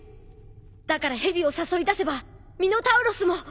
だから蛇を誘い出せばミノタウロスも。